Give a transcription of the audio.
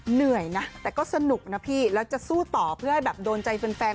เหนื่อยนะแต่ก็สนุกนะพี่แล้วจะสู้ต่อเพื่อให้แบบโดนใจแฟน